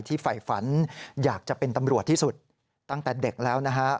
ฝ่ายฝันอยากจะเป็นตำรวจที่สุดตั้งแต่เด็กแล้วนะฮะ